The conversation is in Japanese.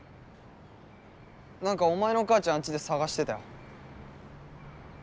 なんかお前の母ちゃんあっちで捜してたよ。